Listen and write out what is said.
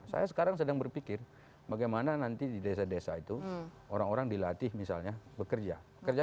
saya sekarang sedang berpikir bagaimana nanti di desa desa itu orang orang dilatih misalnya bekerja